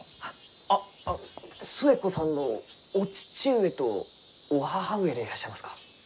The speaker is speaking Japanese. あっ寿恵子さんのお父上とお母上でいらっしゃいますか？